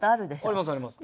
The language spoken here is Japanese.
ありますあります。